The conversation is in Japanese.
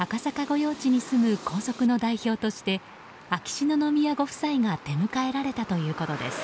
御用地に住む皇族の代表として秋篠宮ご夫妻が出迎えられたということです。